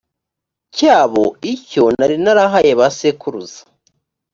cyabo icyo nari narahaye ba sekuruza